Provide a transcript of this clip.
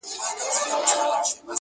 چي زمري به ښکارول هغه یې خپل وه٫